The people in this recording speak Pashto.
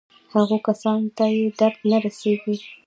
هغو کسانو ته یې درد نه رسېږي.